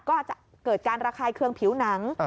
ก็อาจจะเกิดการระคายเคืองผิวหนัง